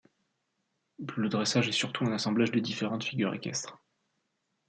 Le dressage est surtout un assemblage de différentes figures équestres.